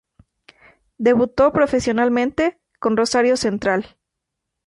Debutó profesionalmente con Rosario Central.